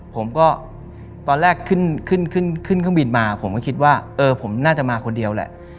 ผมก็ตอนแรกขึ้นขึ้นเครื่องบินมาผมก็คิดว่าเออผมน่าจะมาคนเดียวแหละ